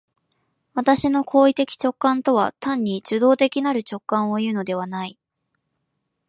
私の行為的直観とは単に受働的なる直覚をいうのではない。